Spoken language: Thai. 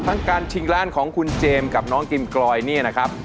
การชิงร้านของคุณเจมส์กับน้องกิมกรอยเนี่ยนะครับ